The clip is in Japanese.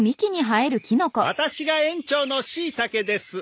ワタシが園長のしいたけです。